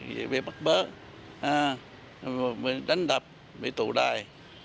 vì bị bắt bớ bị đánh đập bị tụ đài